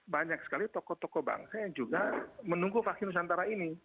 banyak sekali tokoh tokoh bangsa yang juga menunggu vaksin nusantara ini